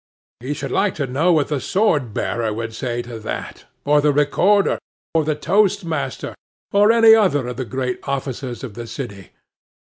He should like to know what the sword bearer would say to that; or the recorder, or the toast master, or any other of the great officers of the city.